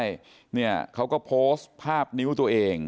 ใช่เนี่ยเขาก็โพสต์ภาพนิ้วตัวเอง